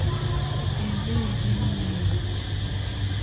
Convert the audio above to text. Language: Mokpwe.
É rzènjé ŋmémà.